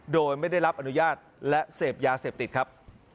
โดยไม่ได้รับอนุญาตและเสพยาเสพติดครับ